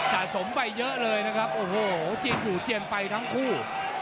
สะสมไปเยอะเลยนะครับโอ้โหเจียนหูเจียนไปทั้งคู่